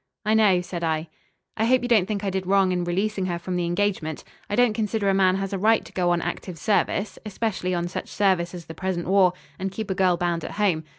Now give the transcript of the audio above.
"I know," said I. "I hope you don't think I did wrong in releasing her from the engagement. I don't consider a man has a right to go on active service especially on such service as the present war and keep a girl bound at home.